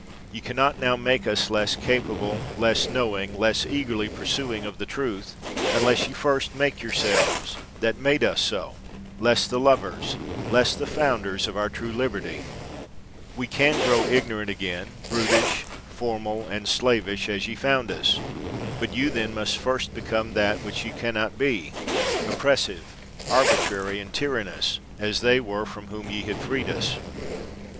Ye can not make us now less capable, less knowing, less eagerly pursuing of the truth, un less ye first make yourselves, that made us so, less the lovers, less the founders of our true lib ill THE WORLD'S FAMOUS ORATIONS erty. We can grow ignorant again, brutish, formal and slavish, as ye found us ; but you then must first become that which ye can not be, op pressive, arbitrary and tyrannous, as they were from whom ye have freed us.